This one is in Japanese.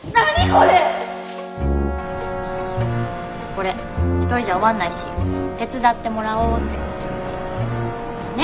これ一人じゃ終わんないし手伝ってもらおうって。ね？